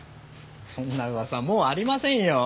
そんな噂もうありませんよ。